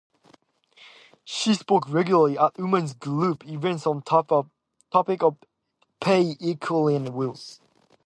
She spoke regularly at women's group events on topic of pay equity and wills.